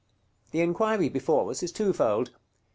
The inquiry before us is twofold.